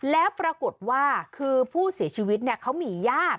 แล้วปรากฏว่าคือผู้เสียชีวิตเขามีญาติ